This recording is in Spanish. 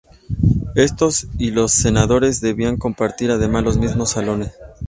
Estos y los senadores debían compartir, además, los mismos salones.